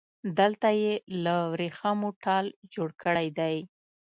دلته يې له وريښمو ټال جوړ کړی دی